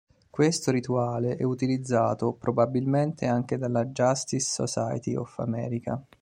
Questo rituale è utilizzato probabilmente anche dalla Justice Society of America.